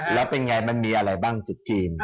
แล้วเป็นไงมันมีอะไรบ้างจุดจีน